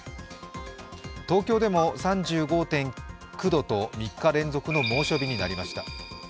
東京でも３５．９度と３日連続の猛暑日となりました。